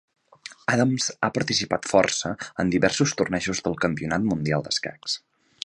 Adams ha participat força en diversos tornejos del Campionat Mundial d'escacs.